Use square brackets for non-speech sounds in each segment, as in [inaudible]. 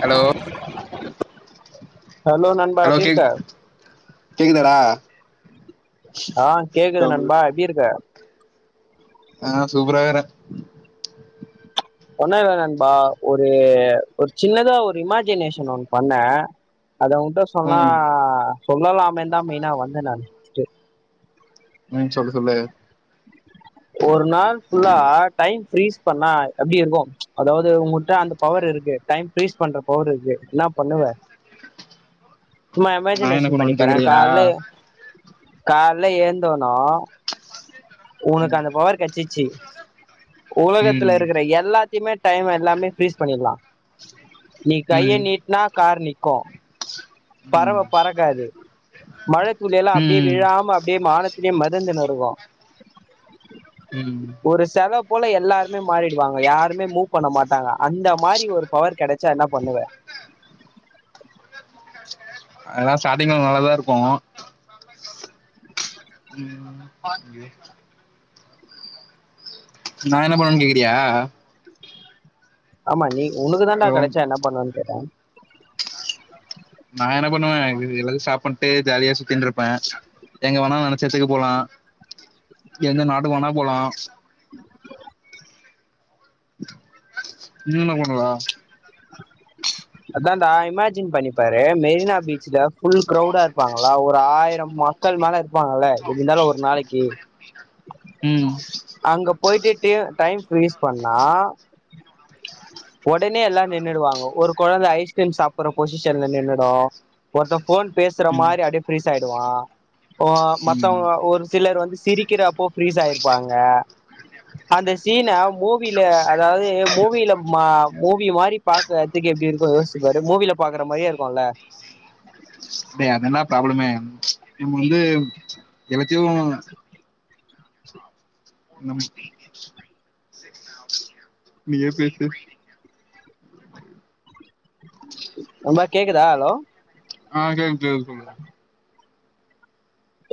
Hello [unintelligible] hello நண்பா hello எப்டி இருக்க கேக் கேக்குதாடா ஆ கேக்குது நண்பா எப்டி இருக்க ஆ சூப்பரா இருக்குற ஒண்ணு இல்ல நண்பா ஒரு ஒரு சின்னதா ஒரு இமஜினேஷன் ஒண்ணு பண்ண அத உன்ட்ட சொன்னா ம் சொல்லலாமேந்தான் மெயினா வந்தே நானு உம் சொல்லு சொல்லு ஒரு நாள் ஃபுல்லா டைம் ஃப்ரீஸ் பண்ணா எப்டி இருக்கும் அதாவது உங்கட்ட அந்த பவரு இருக்கு டைம் ஃப்ரீஸ் பண்ற பவர் இருக்கு என்ன பண்ணுவ சூம்மா நா என்ன இமஜினேஷன் பண்ணி பண்ணுவன்னு பார கேக்குறியா கால்ல கால்ல ஏழுந்தோனு உனக் உனக்கு அந்த பவர் கெடச்சிச்சு உலகத்தில ம் இருக்குற எல்லா த்தையுமே டைம் எல்லாமே ஃப்ரீஸ் பண்ணிட்லாம் நீ கைய ம் நீட்னா கார் நிக்கும் பறவ ம் பறக்காது மழை துளியெல்லா அப்டியே ம் விழாம அப்டியே வானத்லயே மெதந்துனு இருக்கு உம் ஒரு செல போல எல்லாருமே மாறிடுவாங்க யாருமே மூவ் பண்ண மாட்டாங்க அந்த மாரி ஒரு பவர் கெடச்சா என்ன பண்ணுவ அதெல்லா ஸ்டார்டிங்ல நல்லாதா இருக்கு [unintelligible] நா என்ன பண்ணுவன்னு கேக்குறியா ஆமா நீ உனக்கு தாண்டா ரொம் கெடைச்சா என்ன பண்ணுவன்னு கேட்ட நா என்ன பண்ணுவ எதாது சாப்பண்ட்டு ஜாலியா சுத்தின்ட்டு இருப்ப எங்க வேனா நினைச்ச இடத்துக்கு போலாம் எந்த நாட்டுக்கு வேனா போலாம் [unintelligible] அதான்டா இமஜின் பண்ணிப்பாரு மெரினா பீச்ல ஃபுல் க்ரௌடா இருப்பாங்களா ஒரு ஆயிரம் மா மக்கள் மேல இருப்பாங்கல்ல இருந்தாலும் ஒரு நாளைக்கு உம் அங்க போயிட்டு டைம் ஃப்ரீஸ் பண்ணா உடனே எல்லாம் நின்னுடுவாங்க ஒரு கொழந்த ஐஸ்கிரீம் சாப்ட்டுற பொசிஷன்ல நின்னுடும் ஒருத்த ஃபோன் பேசுற மாரி அப்படியே ஃப்ரீஸ் ஆகிடுவான் ஆ ம் மத்தவுங்க ஒரு சிலர் வந்து சிரி க்கிறப்ப ஃப்ரீஸ் ஆயிருப்பாங்க அந்த சீன மூவி மூவில அதாவது மூவில மூவி மூவி மாரி பாக்கறதுக்கு எப்படி இருக்கும் யோசிச்சு பாரு மூவில பாக்குற மாரியே இருக்கும்ல்ல டேய் அதால்லா ப்ராப்ளமே நம்ம வந்து எல்லாத்தையும் நம சா அப்பா நீயே பேசு ரொம்ப கேக்குதா ஹலோ ஆ கேக்குது சொல்லுங்க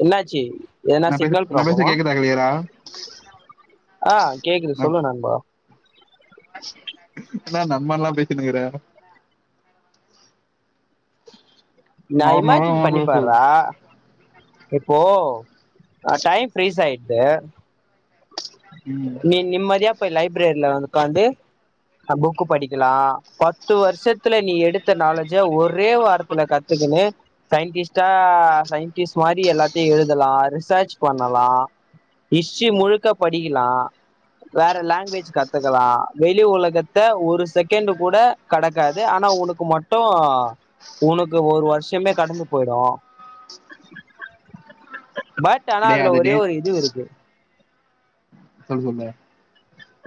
என்னாச்சு எதுனா நா பேச சிக்னல் நா பேச ப்ராப்ளமா கேக்குதா கிளியரா ஆ கேக்குது சொல்லு நண்பா என்னா நம்மன்லா பேசினுக்கற நா நார்மலா இமாஜின் நா பேசு பண்ணிப்பறா இப்போ நா டைம் ஃப்ரீஸ் ஆயிட்டு ம் நீ நம்மதியா போய் லைப்ரரில வந்து உக்காந்து அ புக்கு படிக்கலா பத்து வருஷத்துல நீ எடுத்த நாலேஜே ஒரே வார் த்ல கத்துகினு சயின்டிஸ்ட்டா சயின்டிஸ்ட் மாரி எல்லாத்தையு எழுதலா ரிசர்ச் பண்ணலா ஹிட்ரி முழுக்க படிக்கலா வேற லாங்குவேஜ் கத்துக்கலா வெளி ஒலகத்த ஒரு செகண்டு் கூட கடக்காது ஆனா ஒனுக்கு மட்டு உனக்கு ஒரு வருஷமே கடந்து போயிடு பட் ஆனா டே அதுல அது டே ஒரே ஒரு இதுவு இருக்கு சொல்லுமே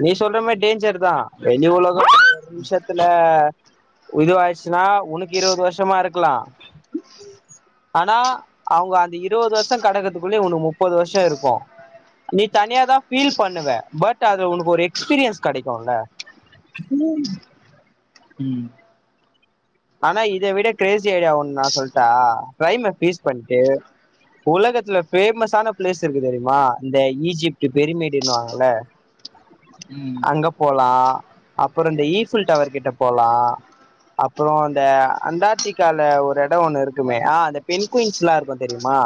நீ சொல்ற மாரி டேஞ்சர் தா வெளி உலகத்துலருந்து நிமிஷத்துல இது ஆய்ச்சினா உனுக்கு இருவது வருஷமா இருக்கலா ஆனா அவுங்க அந்த இருவது வருஷோ கடக்கறதுக்குள்ளயே ஒனுக்கு முப்பது வருஷ இருக்கு நீ தனியா தா ஃபீல் பண்ணுவ பட் அது உனுக் ஒரு எக்ஸ்பீரியன்ஸ் கெடைக்குல்ல ம் ஆனா இத விட கிரேசி ஐடியா ஒண்ணு நா சொல்ட்டா ட்ரைம் அ பேஸ் பண்ட்டு உலகத்துல பேமஸான பிளேஸ் இருக்கு தெரியுமா இந்த ஈஜிப்ட் பெருமேடுன் வாங்கல்ல ம் அங்க போலா அப்புற இந்த ஈஃபுல் டவர் கிட்ட போலா அப்புறோ அந்த அண்டார்டிகால ஒரு எடோ ஒண்ணு இருக்குமே ஆ அந்த பென் குயின்ஸ்லா இருக்கு தெரியுமா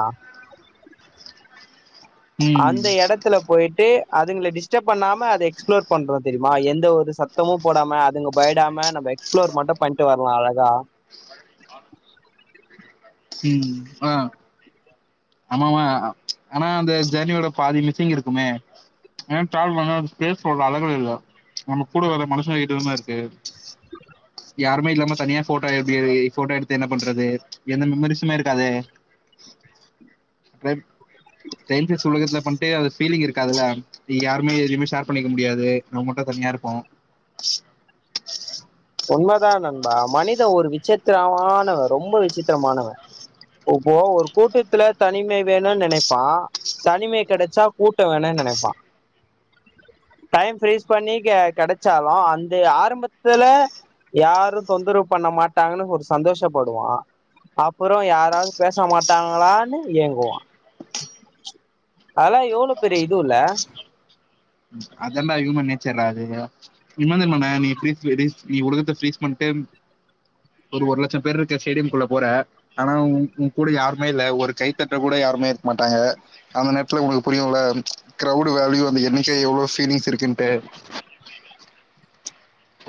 ம் அந்த எடத்துல போயிட்டு அதுங்கள டிஸ்டப் பண்ணாம அத எக்ஸ்புளோர் பண்றோ தெரியுமா எந்த ஒரு சத் தமு போடாம அதுங்க பயடாம நம்ம எக்ஸ்புளோர் மட்டு பண்ட்டு வரலா அழகா ம் ஆ ஆமாமா அ இந்த ஜேர்னியோட பாதி மிச்சிங் இருக்குமே ஏனா ட்ராவல் பன்னா அது ஸ்பேஸ்ல உள்ள அழகுல இல்ல நம்ம கூட வர்ர மனுஷங்க கிட்ட தான இருக்கு யாருமே இல்லாம தனியா ஃபோட்டோ எப்டி ஃபோட்டோ எடுத்து என்ன பண்றது எந்த மெமரிஸுமே இருக்காதே ட்ரை ஸ்ட்ரேஞ்ஜர்ஸ் உலகத்துல பண்ட்டு அது ஃபீலிங் இருக்காதுல இங்க யாருமே எதியுமே ஷேர் பண்ணிக்க முடியாது நாம் மட்டு தனியா இருப்போ உண்மதா நண்பா மனித ஒரு விசித்ரமானவ ரொம்போ விசித்ரமானவ உப்போ ஒரு கூட்டத்துல தனிமை வேணுன் நெனைப்பா தனிமை கெடச்சா கூட்ட வேணுன் நெனைப்பா டைம் ஃப்ரீஸ் பண்ணி கெ கெடச்சாலு அந்த ஆரம்பத்துல யாரு தொந்தரவு பண்ண மாட்டாங்கனு ஒரு சந்தோஷப் படுவா அப்புறோ யாராவது பேச மாட்டாங்களானு ஏங்குவா அதெல்லா எவ்ளோ பெரிய இதுவு இல்ல அதான்டா ஹியூமன் நேச்சர்ரா அது இம்மா தெர்மானே நீீ ஃப்ரீஸ்டு ரீஸ்டு நீ ஒலகத்த ஃபிரீஸ் பண்ட்டு ஒரு ஒரு லட்சோ பேரு இருக்க ஸ்டேடியம்குள்ள போற ஆனா உ உ கூட யாருமே இல்ல ஒரு கைத்தட்ட கூட யாருமே இருக்க மாட்டாங்க அந்த நேரத்துல ஒங்களுக்கு புரியுல கிரௌடு வேல்யூ அந்த என்ணிக்க எவ்ளோ ஃபீலிங்ஸ் இருக்குன்ட்டு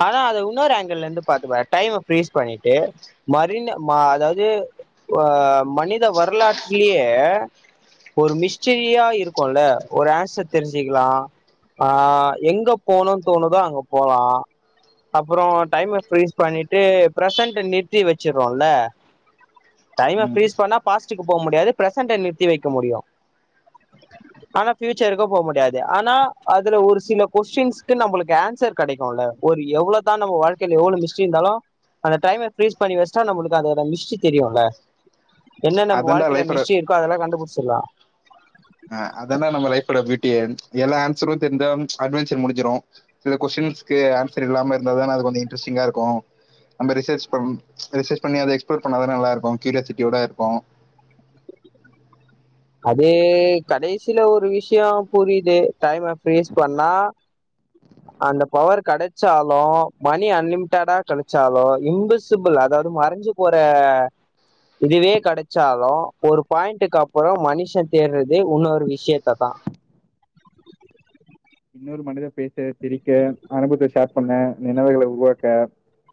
ஆனா அத இன்னொரு ஆங்கிள்ள இருந்து பாத்துக்கோ டைம ஃப்ரீஸ் பண்ணிட்டு மரின ம அதாது ஆ மனித வரலாற்லியே ஒரு மிஸ்டிரியா இருக்குல ஒரு ஆன்சர் தெரிஞ்சிக்கலா ஆ எங்க போணுன் தோணுதோ அங்க போலா அப்பறோ டைம ஃப்ரீஸ் பண்ணிட்டு பிரசன்ட்ட நிறுத்தி வச்சிர்றோல டைம ம் ஃபிரீஸ் பண்ணா பாஸ்டுக்கு போ முடியாது பிரசன்ட்ட நிறுத்தி வைக்க முடியு ஆனா ஃபியூச்சருக்கு போ முடியாது ஆனா அதுல ஒரு சில கொஸ்டின்ஸ்க்கு நம்புளுக்கு ஆன்சர் கெடைக்கூல ஒரு எவ்ளதா நம்ம வாழ்க்கைல எவ்ளோ மிஸ்ட்ரி இருந்தாலு அந்த டைம ஃப்ரீஸ் பண்ணி வச்டா நம்முளுக்கு அதோட மிஸ்ட்ரி தெரியுல என்ன நம்ப அதான்டா வாழ்க்கைல லைஃபோட மிஸ்ட்ரி இருக்கோ அதெல்லா கண்டுபுடிச்சிட்லா ஆ அதான நம்ம லைஃபோட பியூட்டியே எல்லா ஆன்சரு தெரிஞ்சா அட்வென்ச்சர் முடிஞ்சுரு சில கொஷின்ஸ்கு ஆன்சர் இல்லாம இருந்தா தான அது கொஞ்சோ இன்ட்ரஸ்டிங்கா இருக்கு நம்ப ரிசர்ச் பண் ரிசர்ச் பண்ணி அத எக்ஸ்ப்ளோர் பண்ணாதா நல்ல இருக்கு கியூரியாசிட்டியோட இருக்கு அதே கடைசில ஒரு விஷ்யோ புரிது டைம ஃப்ரீஸ் பண்ணா அந்த பவர் கெடச்சாலு மணி அன்லிமிடடா கெடச்சாலு இன்விசிபுள் அதாது மறஞ்சு போற இதுவே கெடச்சாலு ஒரு பாயிண்ட்டுக்கு அப் அப்றோ மனுஷ தேட்றதே உன்னொரு விஷ்யத்த தா இன்னொரு மனித பேச சிரிக்க அனுபத்த ஷேர் பண்ண நெனவுகள உருவாக்க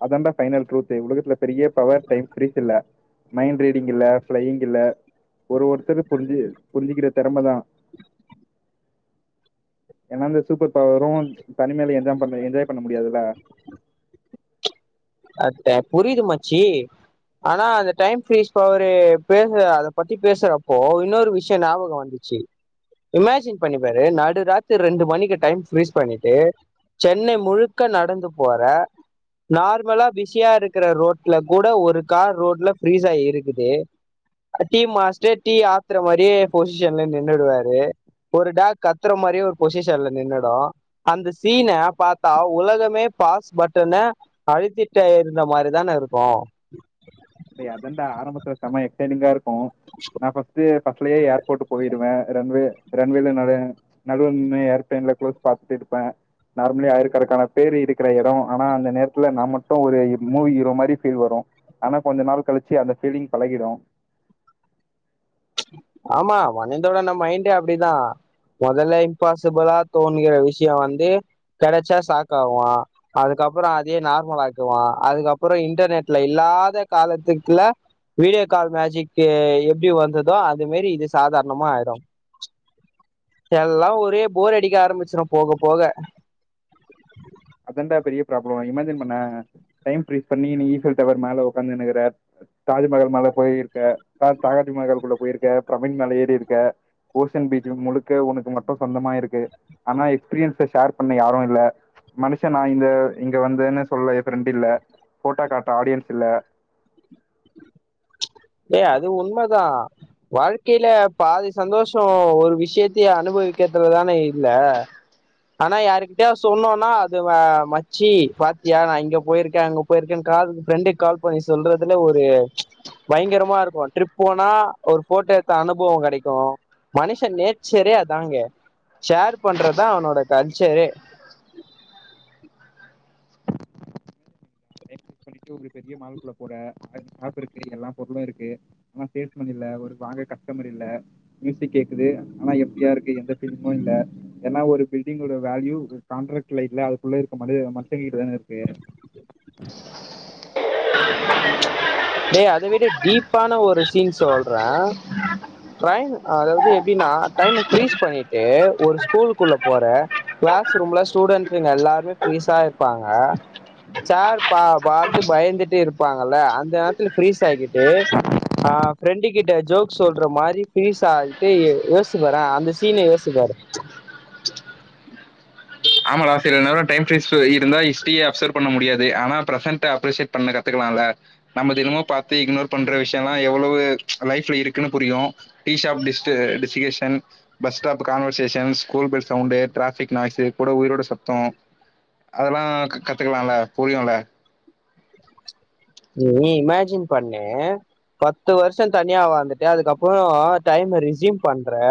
அதான்டா ஃபைனல் ட்ரூத்தே உலகத்துல பெரிய பவர் டைம் ஃப்ரீஸ் இல்ல மைண்ட் ரீடிங் இல்ல ஃப்ளையிங் இல்ல ஒரு ஒருத்தர புரிஞ்சு புரிஞ்சிக்கிற தெறம தா ஏனா இந்த சூப்பர் பவரு தனிமேல என்ஜா பண்ண என்ஜாய் பண்ண முடியாதுல்ல அத்து புரியிது மச்சி ஆனா அந்த டைம் ஃப்ரீஸ் பவரு பேச அத பத்தி பேசுறப்போ இன்னொரு விஷ்யோ ஞாபகோ வந்து ச்சு இமேஜின் பண்ணி பாரு நடு ராத்ரி ரெண்டு மணிக்கு டைம் ஃப்ரீஸ் பண்ணிட்டு சென்னை முழுக்க நடந்து போற நார் மலா பிஸியா இருக்குற ரோட்ல கூட ஒரு கார் ரோட்ல ஃப்ரீஸாயி இருக்குது அ டீ மாஸ்டர் டீ ஆத்துற மாரியே பொசிஷன்ல நின்னுடுவாரு ஒரு டாக் கத்துற மாரியே ஒரு பொசிஷன்ல நின்னுடு அந்த சீன பாத்தா உலகமே பாஸ் பட்டன அழுத்திட்ட இருந்த மாரி தான இருக்கு டே அதான்டா ஆரம்பத்துல செம எக்சைட்டிங்கா இருக்கு நா ஃபஸ்ட்டு பஸ்லயே ஏர்போர்ட் போயிடுவே ரன்வே ரன்வேல நடய நடுவுல நின்னு ஏர்பிளைன்ல க்ளோஸ் பாத்துருப்பே நார்மலி ஆயிரக்கணக்கான பேரு இருக்குற எடோ ஆனா அந்த நேரத்துல நா மட்டு ஒரு இ மூவி ஹீரோ மாரி ஃபீல் வரு கொஞ்ச நாள் கழிச்சி அந்த ஃபீலிங் பழகிரு ஆமா மனிதனோட மைண்டே அப்டிதா மொதல்ல இம்பாசிபுலா தோணுகிற விஷயோ வந்து கெடைச்சா ஷாக்காவோ அதுக்கப்றோ அதயே நார்மலாக்குவோ அதுக்கப்றோ இன்டெர்நெட்ல இல்லாத காலத்துக்குல வீடியோ கால் மேஜிக்கு எப்டி வந்துதோ அது மாரி இது சாதார்ணமா ஆயிடு எல்லா ஒரே போர் அடிக்க ஆரம்பிச்சிரு போக போக அதன்டா பெரிய ப்ராப்ளம் இமேஜின் பண்ணே டைம் ஃப்ரீஸ் பண்ணி நீ ஈஃபில் டவர் மேல உக்காந்துனுக்குற தாஜ்மஹால் மேல போயிருக்க தாஜு மகாக்லுகுள்ள போயிருக்க பிரமீட் மேல ஏறிருக்க ஓசன் பீச் முழுக்க ஒனக்கு மட்டு சொந்தமாய்ருக்கு ஆனா எக்ஸ்பீரியன்ஸ ஷேர் பண்ண யாரு இல்ல மனுஷே நா இந்த இங்க வந்தனு சொல்ல ஃப்ரெண்ட் இல்ல போட்டோ காட்ட ஆடியன்ஸ் இல்ல ஏ அது உண்மதா வாழ்க்கைல பாதி சந்தோஷோ ஒரு விஷயத்தயே அனுபவிக்கறதுலதானே இல்ல ஆனா யாருக்கிட்டயா சொன்னோனா அது மச்சி பாத்தியா நா இங்க போயிருக்கே அங்க போயிருக்கேனு கால் பன ஃப்ரெண்டுக்கு கால் பண்ணி சொல்றதுல ஒரு பயங்கரமா இருக்கும் ட்ரிப் போனா ஒரு போட்டோ எடுத்த அனுபவம் கிடைக்கும் மனுஷ நேச்சரே அதாங்க ஷேர் பண்றதா அவனோட கல்ச்சரே ட்டு ஒரு பெரிய மாள்க்குள்ள போற ஷாப் இருக்கு எல்லா பொருளு இருக்கு ஆனா சேல்ஸ்மேன் இல்ல ஒரு வாங்க கஸ்டமர் இல்ல மியூசிக் கேக்குது ஆனா எம்டியா இருக்கு எந்த ஃபீலிங்கும் இல்ல ஏன்னா ஒரு பில்டிங்கோட வேல்யூ கான்ட்ராக்ட்ல இல்ல அதுக்குள்ள இருக்க மனத மனுஷங்க கிட்ட தான இருக்கு டேய் அத விட டீப்பான ஒரு சீன் சொல்றேன் ரைம் அதாவது எப்டின்னா டைம் ஃரீஸ் பண்ணிட்டு ஒரு ஸ்கூலுக்குள்ள போற க்ளாஸ் ரூம்ல ஸ்டூடெண்ட்ஸுங்க எல்லாருமே ஃப்ரீஸா இருப்பாங்க சார் பா பாத்து பயந்துட்டு இருப்பாங்கல்ல அந்த நேரத்துல ப்ரீஸ் ஆக்கிட்டு ஆ ஃப்ரெண்டு கிட்ட ஜோக் சொல் ட்ற மாரி ஃபினிஸ் ஆய்ட்டு யோச்சிபாறே அந்த சீன யோச்சிபாரு ஆமாடா சில நேரோ டைம் ஃப்ரீஸ் இருந்தா ஹஸ்ட்ரியே அப்சர்வ் பண்ண முடியாது ஆனா பிரெசன்ட அப்ரிஷேட் பண்ண கத்துக்கலாம்ல நம்ம தினமும் பாத்து இக்னோர் பண்ற விஷயோலா எவ்ளவு லைஃப்ல இருக்குனு புரியு டீஷாப் டிஷ்டு டிஷிகேஷன் bus stop conversation school bell sound traffic noise கூட உயிரோட சத்தோ அதெல்லா க கத்துக்கலாம்ல புரியும்ல நீ இமேஜின் பண்ணு பத்து வருஷோ தனியா வாழ்ந்துட்டு அதுக்கப்றோ டைம்ம ரெச்யூம் பண்றே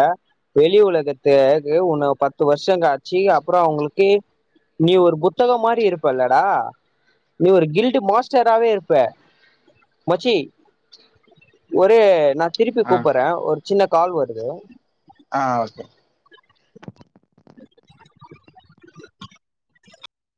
வெளி உலகத்த உன்ன பத்து வருஷம் காய்ச்சு அப்புறோ அவங்களுக்கு நீ ஒரு புத்தகோ மாறி இருப்பல்லடா நீ ஒரு கில்டு மாஸ்டரவே இருப்ப ப மச்சி ஒரு நா திருப்பி ஆ. கூப்பிட்றே ஒரு சின்ன கால் வருது ஆ ஓகே